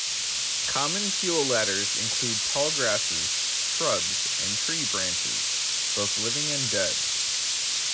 Common fuel ladders include tall grasses, shrubs, and tree branches, both living and dead.